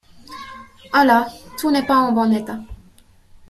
Ouhlà, tout n'est pas en bon état.